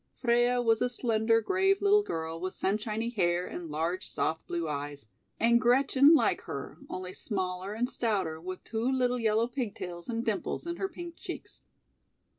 Freia was a slender, grave little girl with sunshiny hair and large, soft blue eyes, and Gretchen like her, only smaller and stouter with two little yellow pigtails, and dimples, in her pink cheeks.